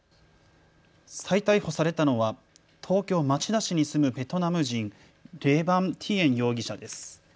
再逮捕されたのは東京町田市に住むベトナム人、レ・バン・ティエン容疑者です。